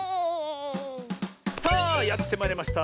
さあやってまいりました